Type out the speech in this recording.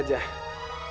jadi masih lemes